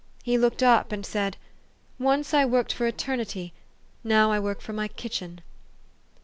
He looked up and said, ' Once I worked for eternity : now I work for my kitchen.'